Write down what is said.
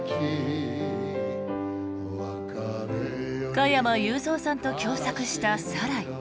加山雄三さんと共作した「サライ」。